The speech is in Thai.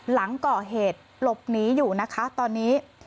หลังก่อเหตุหลบหนีอยู่นะคะตอนนี้